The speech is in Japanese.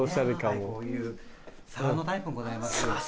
こういう皿のタイプもございます。